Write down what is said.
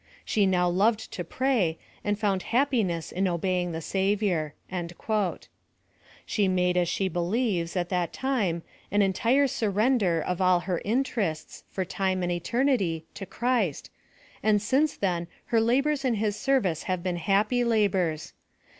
— She now loved to pray, and found happiness in obeying the Savior." She made as she believes, at that time, an entire surrender or all her interests, for time and eternity, to Christ, and since then her labors in his service have been hap py labors.